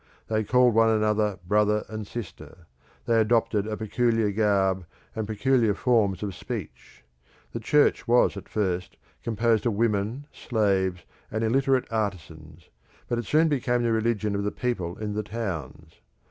They called one another brother and sister; they adopted a peculiar garb, and peculiar forms of speech; the Church was at first composed of women, slaves, and illiterate artisans but it soon became the religion of the people in the towns.